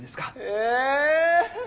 え！